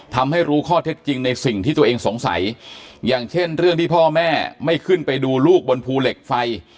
ทำให้รู้ข้อเท็จจริงในสิ่งที่ตัวเองสงสัยอย่างเช่นเรื่องที่พ่อแม่ไม่ขึ้นไปดูลูกบนภูเหล็กไฟ